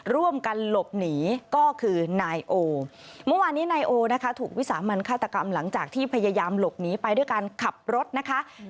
ร่วมกันหลบหนีก็คือนายโอเมื่อวานนี้นายโอนะคะถูกวิสามันฆาตกรรมหลังจากที่พยายามหลบหนีไปด้วยการขับรถนะคะ